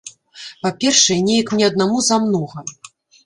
Па-першае, неяк мне аднаму замнога.